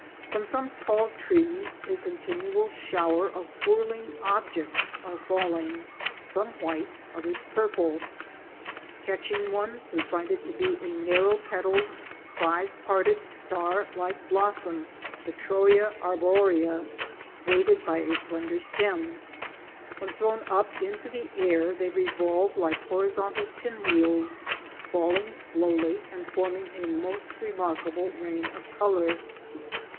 From some tall trees a continual shower of whirling objects are falling, some white, others purple. Catching one we find it to be a narrow petaled, five parted, star like blossom (Peirwa arborea), weighted by a slender stem. When thrown up into the air they revolve like horizontal pin wheels, falling slowly and forming a most remarkable rain of color.